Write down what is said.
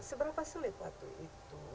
seberapa sulit waktu itu